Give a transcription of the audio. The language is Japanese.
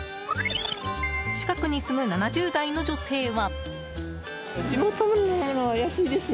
近くに住む７０代の女性は。